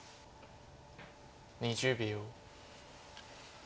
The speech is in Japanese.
２０秒。